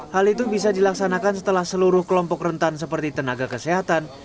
hal itu bisa dilaksanakan setelah seluruh kelompok rentan seperti tenaga kesehatan